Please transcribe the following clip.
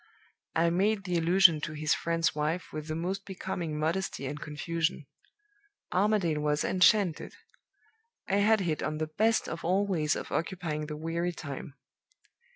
"I made the allusion to 'his friend's wife' with the most becoming modesty and confusion. Armadale was enchanted. I had hit on the best of all ways of occupying the weary time.